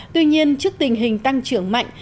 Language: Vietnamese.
tuy nhiên trước tình hình tăng trưởng mạnh